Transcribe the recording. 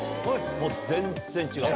もう全然違う。